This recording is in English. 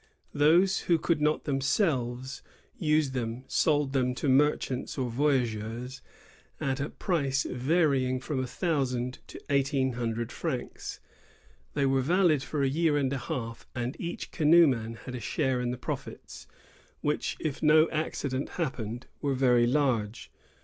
Those who could not themselves use them sold them to merchants or voyageurs^ at a price varying from a thousand to eighteen hundred francs. They were valid for a year and a half; and each canoeman had a share in the profits, which, if no accident happened, were very large.